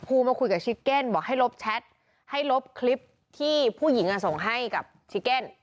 มาคุยกับชิเก้นบอกให้ลบแชทให้ลบคลิปที่ผู้หญิงส่งให้กับชิเก็น